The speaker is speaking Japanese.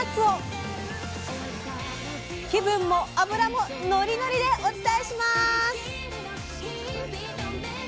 気分も脂もノリノリでお伝えします！